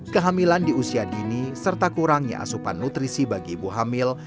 kehamilan di usia dini serta kurangnya asupan nutrisi bagi ibu hamil